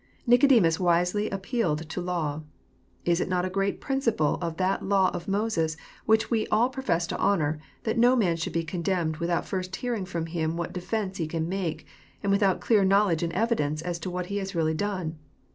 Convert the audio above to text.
Nicodemus wisely ap pealed to law. ''Is it not a great principle of that law of Moses, which we all profess to honour, that no man should be ^ condemned without first hearing ftom him what defence he can make, and without clear knowledge and evidence as to what he has really done